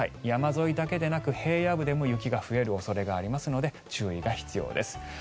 山沿いだけでなく平野部でも雪が増える恐れがありますので注意が必要です。